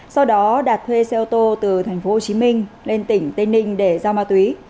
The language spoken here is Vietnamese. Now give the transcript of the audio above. sau đó đạt thuê xe ô tô từ tp hcm lên tỉnh tây ninh để giao ma túy